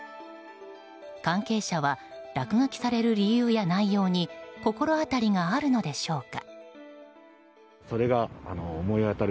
関係者は落書きされる理由や内容に心当たりがあるのでしょうか。